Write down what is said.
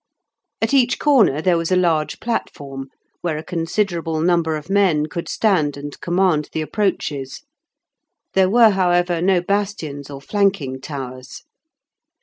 At each corner there was a large platform, where a considerable number of men could stand and command the approaches; there were, however, no bastions or flanking towers.